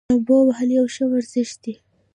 لامبو وهل یو ښه ورزش دی.